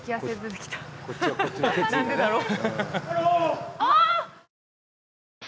何でだろう？